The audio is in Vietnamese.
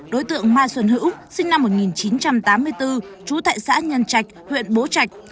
đối tượng mai xuân hữu sinh năm một nghìn chín trăm tám mươi bốn trú tại xã nhân trạch huyện bố trạch